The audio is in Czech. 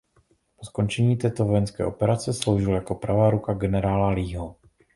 Po skončení této vojenské operace sloužil jako pravá ruka generála Leeho.